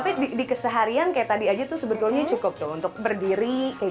gitu ya tapi di keseharian kayak tadi aja tuh sebetulnya cukup tuh untuk berdiri kayak gitu